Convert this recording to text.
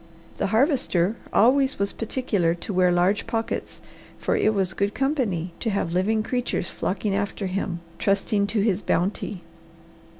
The Harvester always was particular to wear large pockets, for it was good company to have living creatures flocking after him, trusting to his bounty.